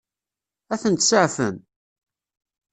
Ad tent-seɛfen?